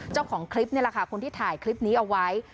เจ้าของคลิปนี่แหละค่ะคนที่ถ่ายคลิปนี้เอาไว้